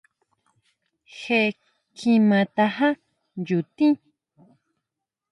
Je kjima tajá nyutin.